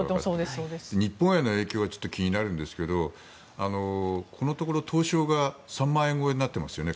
日本への影響はちょっと気になるんですけどこのところ東証が３万円超えになってますよね。